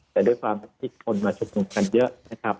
แต่ด้วยความที่คนมาชุมนุมกันเยอะนะครับ